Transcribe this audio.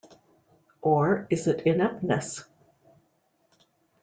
Or is it ineptness?